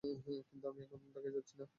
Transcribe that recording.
কিন্তু আমি এখান থেকে যাচ্ছিনা।